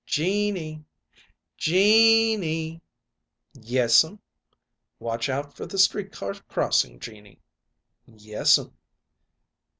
"Jeannie! Jean nie!" "Yes'm." "Watch out for the street car crossing, Jeannie." "Yes'm."